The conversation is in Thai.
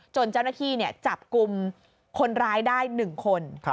เจ้าหน้าที่จับกลุ่มคนร้ายได้๑คน